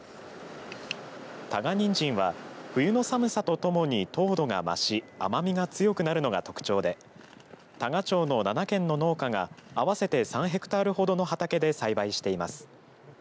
多賀にんじんは冬の寒さとともに糖度が増し甘みが強くなるのが特徴で多賀町の７軒の農家が合わせて３ヘクタールほどの畑で栽培しています。